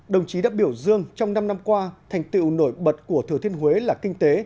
đồng chí đã biểu dương trong năm năm qua thành tiệu nổi bật của thừa thiên huế là kinh tế